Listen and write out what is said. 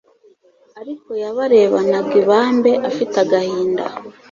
ariko yabarebanag ibambe afitagahinda